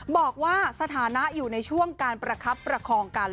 บอกว่าสถานะอยู่ในช่วงการประคับประคองกัน